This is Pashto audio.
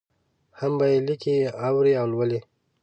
هم به یې لیکي، اوري او لولي.